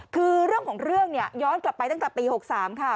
คือเรื่องของเรื่องเนี่ยย้อนกลับไปตั้งแต่ปี๖๓ค่ะ